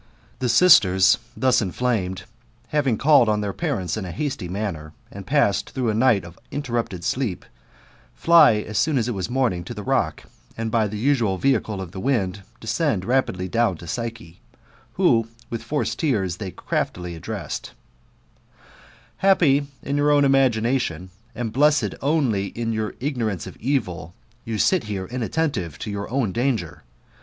The sisters thus inflamed, having called on their parents iaa hasty manner, and passed through a night of interrupted sleep ; fly as soon as it was morning to the rock, and by the usual vehicle of the wind, descend rapidly down to Psyche, who, with forced tears, they thus craftily addressed ;" Happy in your own imagination, and blessed only in your ignorance of evil, you sit here inattentive to your own danger.